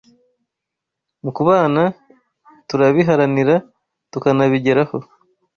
mu kubana turabiharanira tukanabigeraho